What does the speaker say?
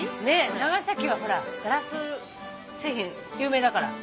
長崎はガラス製品有名だから。